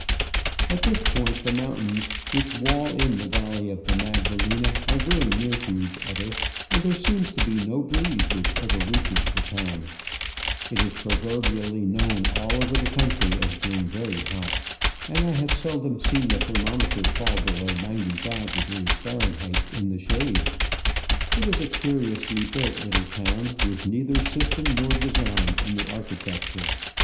At this point the mountains which wall in the valley of the Magda lena are very near to each other, and there seems to be no breeze which ever reaches the town ; it is pro verbially known all over the country as being very hot, and I have seldom seen the thermometer fall below 95° Fahr. in the shade. It is a curiously built little town, with neither system nor design in the architec ture.